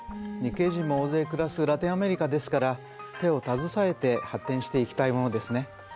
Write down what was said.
日系人も大勢暮らすラテンアメリカですから手を携えて発展していきたいものですね。